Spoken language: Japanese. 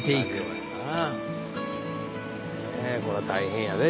ねえこれは大変やで。